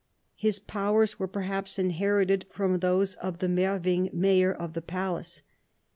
His powers were perhaps inherited from those of the Merwing mayor of the palace.